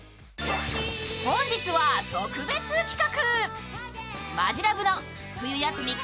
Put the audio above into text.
本日は特別企画。